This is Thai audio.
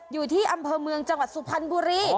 อยู่ที่อำเภอเมืองจังหวัดสุพรรณบุรี